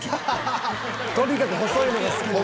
とにかく細いのが好きなんや。